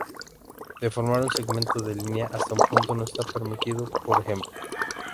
Deformar un segmento de línea hasta un punto no está permitido, por ejemplo.